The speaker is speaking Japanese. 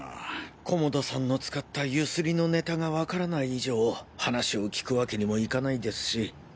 菰田さんの使ったゆすりのネタが分からない以上話を聞くわけにもいかないですし。